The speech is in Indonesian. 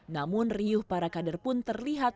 namun riuh para kader pun terlihat